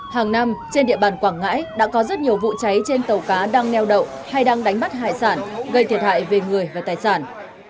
hàng năm trên địa bàn quảng ngãi đã có rất nhiều vụ cháy trên tàu cá đang neo đậu hay đang đánh bắt hải sản gây thiệt hại về người và tài sản